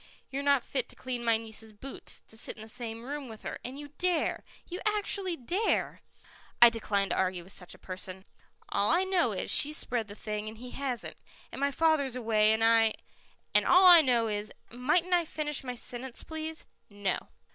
You're not fit to clean my niece's boots, to sit in the same room with her, and you dare you actually dare I decline to argue with such a person." "All I know is, she's spread the thing and he hasn't, and my father's away and I " "And all that I know is " "Might I finish my sentence, please?" "No."